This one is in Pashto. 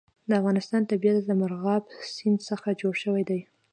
د افغانستان طبیعت له مورغاب سیند څخه جوړ شوی دی.